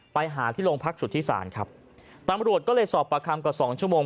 ไปหาที่โรงพักสุธิศาลครับตำรวจก็เลยสอบประคำกว่าสองชั่วโมง